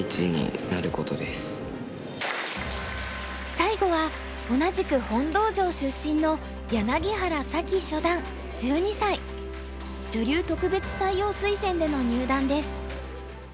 最後は同じく洪道場出身の女流特別採用推薦での入段です。